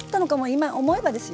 今思えばですよ。